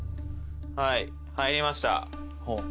はい入りました